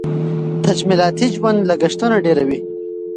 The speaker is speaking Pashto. تجملاتي ژوند لګښتونه ډېروي.